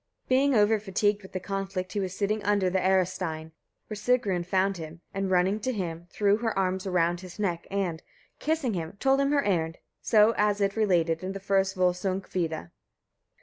Being over fatigued with the conflict, he was sitting under the Arastein, where Sigrun found him, and running to him, threw her arms around his neck, and, kissing him, told him her errand so as it related in the first Volsungakvida.